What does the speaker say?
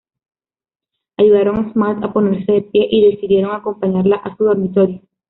Ayudaron a Smart a ponerse de pie y decidieron acompañarla a su dormitorio.